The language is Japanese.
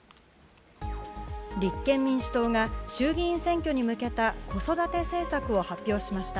立憲民主党が衆議院選挙に向けた子育て政策を発表しました。